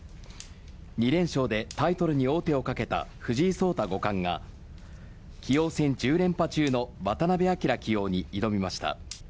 ２連勝でタイトルに王手をかけた藤井聡太五冠が、棋王戦１０連覇中の渡辺明棋王に挑みました。